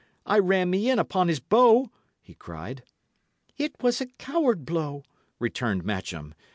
I ran me in upon his bow," he cried. "It was a coward blow," returned Matcham.